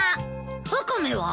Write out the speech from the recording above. ワカメは？